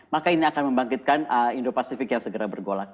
maka ini akan membangkitkan indo pasifik yang segera bergolak